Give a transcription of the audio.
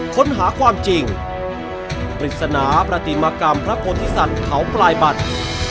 ค้นหาความจริงปริศนาประติมากรรมพระโพธิสัตว์เขาปลายบัตร